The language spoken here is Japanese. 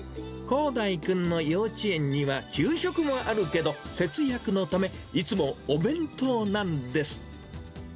こうだいくんの幼稚園には給食もあるけど、節約のため、いつもお弁当なんです。